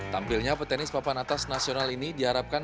tampilnya petenis papan atas nasional ini diharapkan